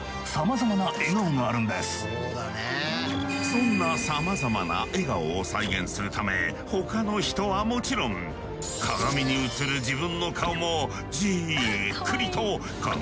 そんなさまざまな笑顔を再現するため他の人はもちろん鏡に映る自分の顔もじっくりと観察しまくったという。